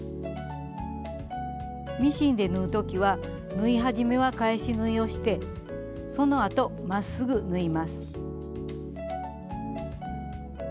ミシンで縫う時は縫い始めは返し縫いをしてそのあとまっすぐ縫います。